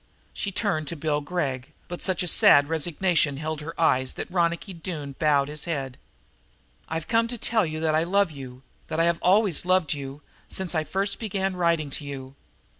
She turned to Bill Gregg, but such a sad resignation held her eyes that Ronicky Doone bowed his head. "I've come to tell you that I love you, that I have always loved you, since I first began writing to you.